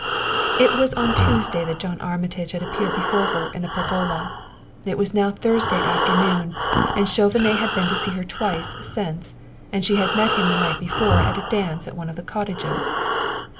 It was on Tuesday that John Armitage had appeared before her in the pergola. It was now Thursday afternoon, and Chauvenet had been to see her twice since, and she had met him the night before at a dance at one of the cottages.